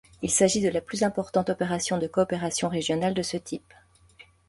Il s'agit de la plus importante opération de coopération régionale de ce type.